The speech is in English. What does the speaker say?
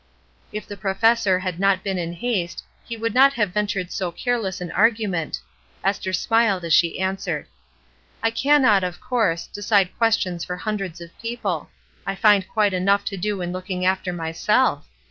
If the professor had not been in haste, he would not have ventured so careless an argu ment. Esther smiled as she answered :— "I cannot, of course, decide questions for hundreds of people. I find quite enough to do in looking after myself.